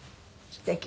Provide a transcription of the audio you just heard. すてき。